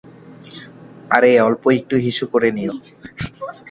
আরে অল্প একটু হিসু করে নিও।